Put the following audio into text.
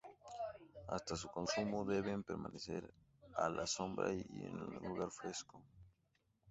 Hasta su consumo deben permanecer a la sombra y en lugar fresco.